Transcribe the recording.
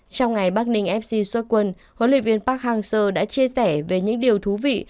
trong ngày bắc ninh fc xuất quân hồn luyện viên park hang seo đã chia sẻ về những điều thú vị